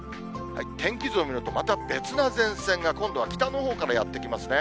天気図を見ると、また別の前線が、今度は北のほうからやって来ますね。